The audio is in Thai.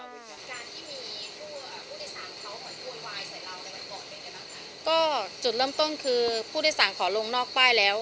แล้วกันก่อนเป็นยังไงบ้างค่ะก็จุดเริ่มต้นคือผู้โดยสารขอลงนอกป้ายแล้ว